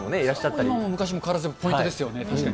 今も昔も変わらずポイントですよね、確かに。